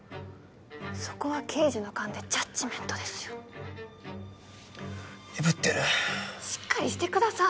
そこは刑事の勘でジャッジメントですよ鈍ってるしっかりしてください